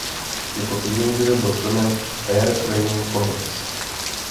Jako teenager byl členem Air Training Corps.